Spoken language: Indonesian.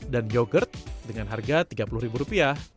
dan yogurt dengan harga rp tiga puluh